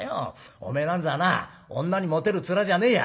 お前なんざはな女にモテる面じゃねえや」。